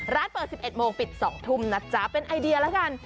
ร้านเปิด๑๑โมงปิด๒ทุ่มนะจ๊ะเป็นไอเดียแล้วกัน